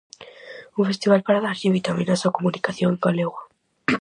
Un festival para darlle vitaminas á comunicación en galego.